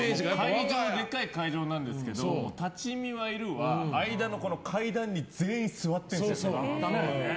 でかい会場なんですけど立ち見はいるわ間の階段に全員座ってるんですよ。